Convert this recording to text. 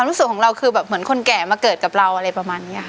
หลังเราคือเหมือนคนแก่มาเกิดกับเราอะไรประมาณนี้